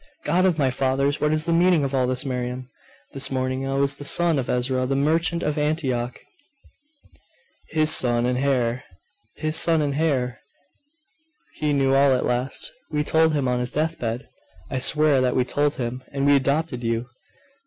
God of my fathers, what is the meaning of all this, Miriam? This morning I was the son of Ezra the merchant of Antioch!' 'His son and heir, his son and heir! He knew all at last. We told him on his death bed! I swear that we told him, and he adopted you!